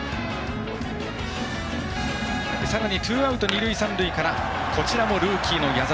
さらにツーアウト、二塁三塁からこちらもルーキーの矢澤。